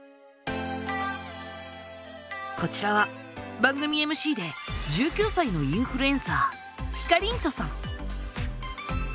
こちらは番組ＭＣで１９歳のインフルエンサーひかりんちょさん。